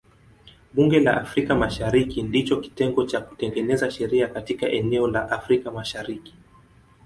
Bunge la Afrika Mashariki ndicho kitengo cha kutengeneza sheria katika eneo la Afrika Mashariki.